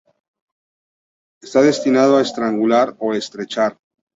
Está destinado a estrangular o estrechar.